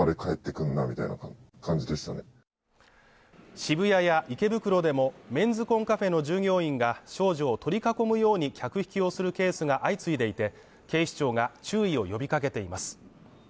渋谷や池袋でもメンズコンカフェの従業員が少女を取り囲むように客引きをするケースが相次いでいて、警視庁が注意を呼びかけています。